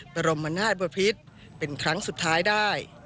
บรมนาศบพิษเป็นครั้งสุดท้ายได้